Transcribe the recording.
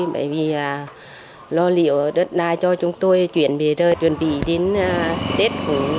bởi vì lo liệu đất đai cho chúng tôi chuyển về rồi chuẩn bị đến tết